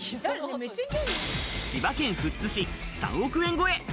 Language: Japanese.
千葉県富津市３億円超え。